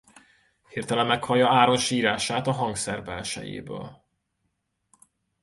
Hirtelen meghallja Aaron sírását a hangszer belsejéből.